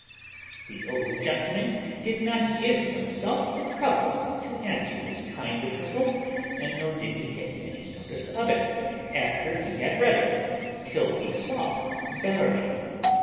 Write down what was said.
The old gentleman did not give himself the trouble to answer this kind epistle; nor did he take any notice of it, after he had read it, till he saw Bellarmine.